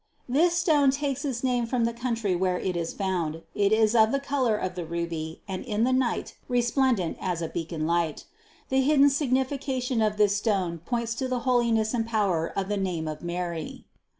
This stone takes its name from the country where it is found. It is of the color of the ruby and in the night resplendent as a bea conlight. The hidden signification of this stone points to the holiness and power of the name of Mary.